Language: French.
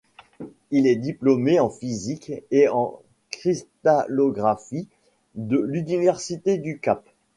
Il est diplômé en physique et en cristallographie de l'Université du Cap.